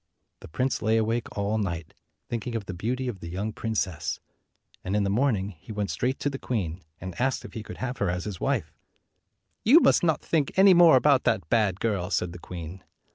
The prince lay awake all night, thinking of the beauty of the young princess; and in the morning he went straight to the queen, and asked if he could have her as his wife. 214 "You must not think any more about that bad girl," said the queen.